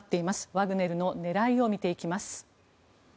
ワグネルの狙いを見ていきます。